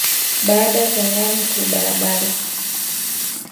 Bana kongana ku balabala